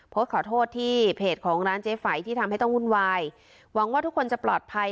โพสต์ขอโทษที่เพจของร้านเจ๊ไฝที่ทำให้ต้องวุ่นวายหวังว่าทุกคนจะปลอดภัย